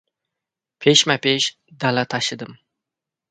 Peshma-pesh dala tashidim.